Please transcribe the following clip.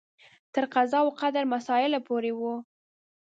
تر قضا او قدر مسایلو پورې و.